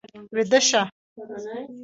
ويده شه.